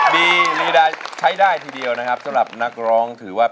เกียรติเชียง